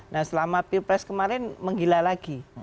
nah selama pilpres kemarin menggila lagi